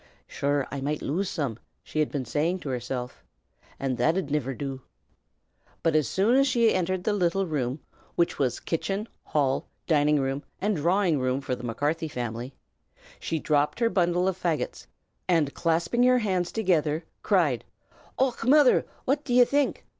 ("Sure I might lose some," she had been saying to herself, "and that 'ud niver do.") But as soon as she had entered the little room which was kitchen, hall, dining room, and drawing room for the Macarthy family, she dropped her bundle of faggots, and clasping her hands together, cried, "Och, mother! what do ye think?